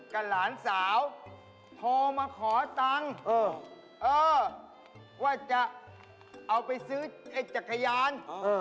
หลานสาวโทรมาขอตังค์ว่าจะเอาไปซื้อไอ้จักรยาน